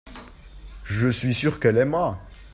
je suis sûr qu'elle aimera.